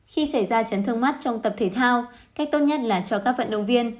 khi xảy ra chấn thương mắt trong tập thể thao cách tốt nhất là cho các vận động viên